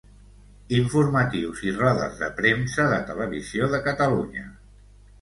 Informatius i rodes de premsa de Televisió de Catalunya.